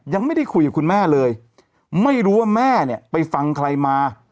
ยังไม่ได้คุยกับคุณแม่เลยไม่รู้ว่าแม่เนี่ยไปฟังใครมา